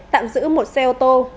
tạm giữ một xe ô tô